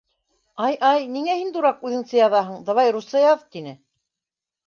— Ай, ай, ниңә һин, дурак, үҙеңсә яҙаһын, давай русса яҙ! — тине.